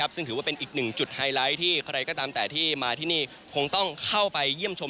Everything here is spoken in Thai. ซึ่งถือว่าเป็นอีกหนึ่งจุดไฮไลท์ที่ใครก็ตามแต่ที่มาที่นี่คงต้องเข้าไปเยี่ยมชม